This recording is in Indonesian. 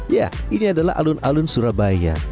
ya ini adalah alun alun surabaya